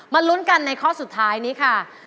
ลุ้นกันในข้อสุดท้ายนี้ค่ะ